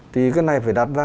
thì cái này phải đặt ra